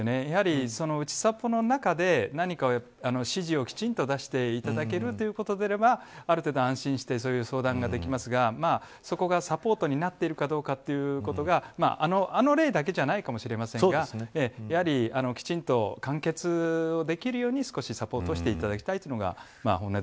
やはり、うちさぽの中で何か指示をきちんと出していただけるということであればある程度安心して相談できますがそこがサポートになっているかどうかということがあの例だけではないかもしれませんがやはりきちんと完結できるように少しサポートしていただきたい